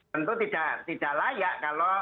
tentu tidak layak